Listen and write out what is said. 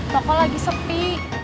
toko lagi sepi